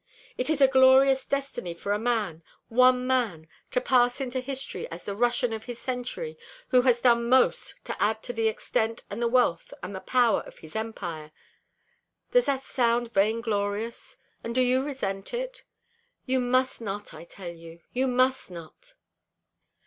It is a glorious destiny for a man one man! to pass into history as the Russian of his century who has done most to add to the extent and the wealth and the power of his empire! Does that sound vainglorious, and do you resent it? You must not, I tell you, you must not!"